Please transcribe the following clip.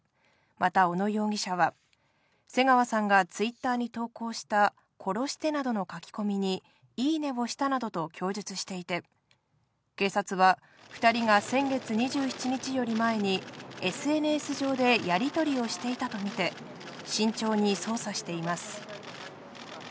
また、小野容疑者は、瀬川さんがツイッターに投稿した殺してなどの書き込みに、いいねをしたなどと供述していて、警察は、２人が先月２７日より前に、ＳＮＳ上でやり取りをしていたと見て、慎重に捜査しています。